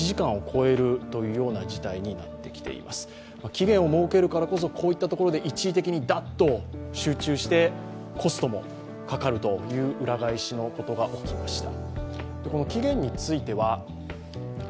期限を設けるからこそこういったところで一時的にダッと集中してコストもかかるという裏返しのことが起きました